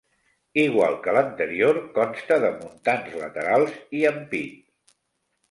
Igual que l'anterior consta de muntants laterals i ampit.